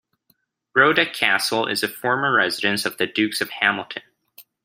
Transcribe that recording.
Brodick Castle is a former residence of the Dukes of Hamilton.